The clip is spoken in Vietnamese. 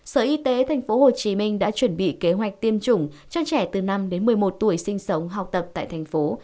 sở y tế thành phố hồ chí minh đã chuẩn bị kế hoạch tiêm chủng cho trẻ từ năm đến một mươi một tuổi sinh sống học tập tại thành phố